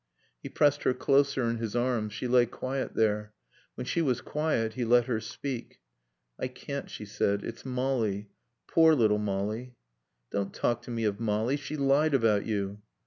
He pressed her closer in his arms. She lay quiet there. When she was quiet he let her speak. "I can't," she said. "It's Molly. Poor little Molly." "Don't talk to me of Molly. She lied about you."